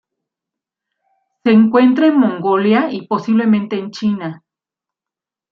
Se encuentran en Mongolia, y posiblemente en China.